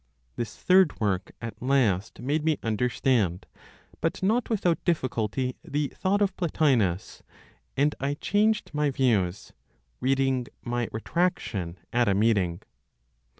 This third work at last made me understand, but not without difficulty, the thought of Plotinos; and I changed my views, reading my retraction at a meeting.